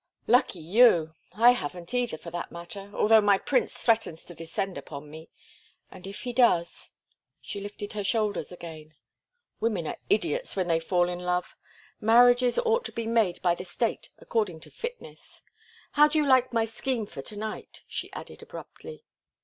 "Lucky you! I haven't either, for that matter, although my prince threatens to descend upon me; and if he does—" She lifted her shoulders again. "Women are idiots when they fall in love. Marriages ought to be made by the state according to fitness. How do you like my scheme for to night?" she added, abruptly.